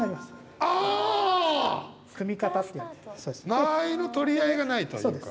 間合いの取り合いがないというか。